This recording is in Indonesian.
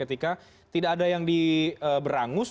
ketika tidak ada yang diberangus